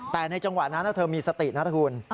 แต่ในจังหวะนั้นเธอมีสตินะคุณ